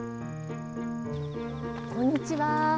こんにちは。